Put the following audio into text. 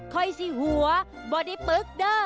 คอยสิหัวบอดิปริกเด้อ